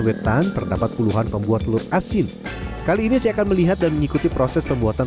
wetan terdapat puluhan pembuat telur asin kali ini saya akan melihat dan mengikuti proses pembuatan